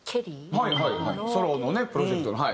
はいはいはいソロのねプロジェクトのはい。